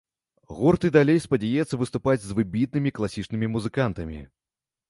Гурт і далей спадзяецца выступаць з выбітнымі класічнымі музыкантамі.